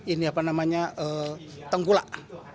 ini apa namanya tengkulak